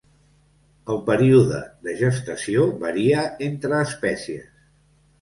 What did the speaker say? El període de gestació varia entre espècies.